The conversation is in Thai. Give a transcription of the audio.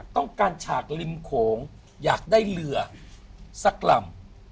ต้องการฉากริมโขงอยากได้เรือสักลำ